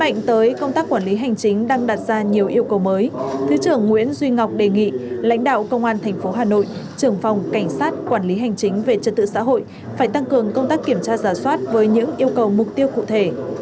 với công tác quản lý hành chính đang đặt ra nhiều yêu cầu mới thứ trưởng nguyễn duy ngọc đề nghị lãnh đạo công an thành phố hà nội trưởng phòng cảnh sát quản lý hành chính về trật tự xã hội phải tăng cường công tác kiểm tra giả soát với những yêu cầu mục tiêu cụ thể